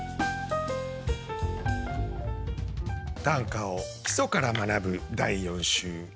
短歌を基礎から学ぶ第４週。